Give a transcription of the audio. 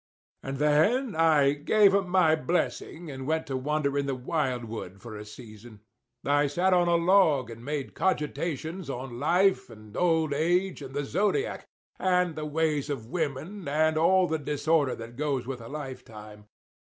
And then I gave 'em my blessing, and went to wander in the wildwood for a season. I sat on a log and made cogitations on life and old age and the zodiac and the ways of women and all the disorder that goes with a lifetime.